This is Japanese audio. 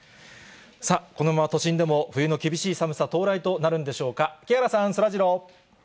さあ、このまま都心でも冬の厳しい寒さ到来となるんでしょうか。